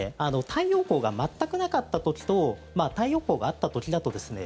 太陽光が全くなかった時と太陽光があった時だとですね